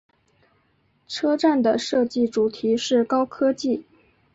车站的设计主题是高科技。